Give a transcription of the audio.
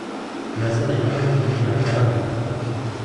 Maziɣ yebɣa ad inig ɣer kanada.